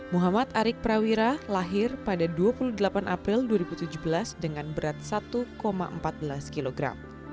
muhammad arik prawira lahir pada dua puluh delapan april dua ribu tujuh belas dengan berat satu empat belas kilogram